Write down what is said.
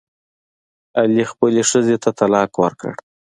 علي خپلې ښځې ته طلاق ورکړ.